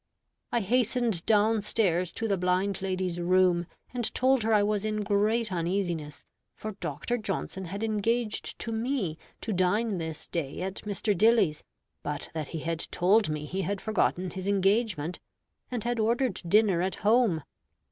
I hastened down stairs to the blind lady's room, and told her I was in great uneasiness, for Dr. Johnson had engaged to me to dine this day at Mr. Dilly's, but that he had told me he had forgotten his engagement, and had ordered dinner at home.